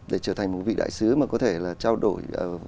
để trở thành một vị đại sứ mà có thể là trao đổi